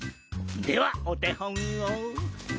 ではお手本を。